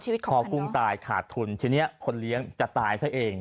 คอกุ้งตายขาดทุนทีนี้คนเลี้ยงจะตายซะเอง